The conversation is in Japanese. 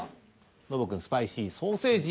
ノブくん「スパイシーソーセージ」。